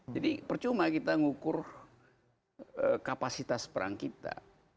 jadi percuma kita ngukur kapasitas perang kita